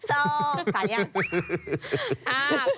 ใส่ยัง